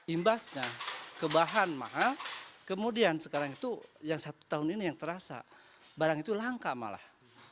imbasnya ke bahan mahal kemudian sekarang itu yang satu tahun ini yang terasa barang itu langka malah